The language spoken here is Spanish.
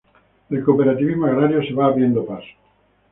El cooperativismo agrario se va abriendo paso.